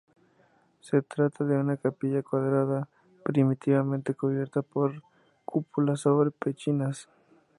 Se trata de una capilla cuadrada primitivamente cubierta por cúpula sobre pechinas.